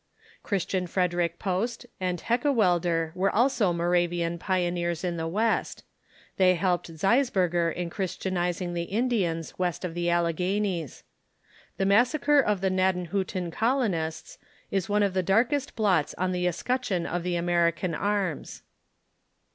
Christian Frederick Post and Heckewelder were also Moravian pioneers in the West. They helped Zeisberger in Christianizing the Indians west of the Alleghanies. The massacre of the Gnadenhiitten colonists is one of the darkest blots on the escutcheon of the American arras.